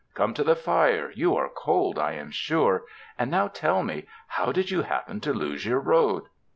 Come to the fire, you are cold, I am sure. And now tell me, how did you happen to lose your road?"